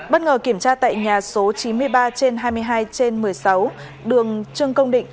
bất ngờ kiểm tra tại nhà số chín mươi ba trên hai mươi hai trên một mươi sáu đường trương công định